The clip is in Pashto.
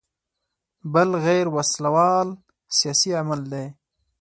بل غیر وسله وال سیاسي عمل دی.